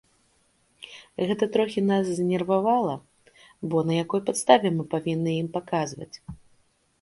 Гэта трохі нас знервавала, бо на якой падставе мы павінны ім паказваць.